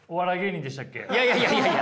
いやいやいやいや！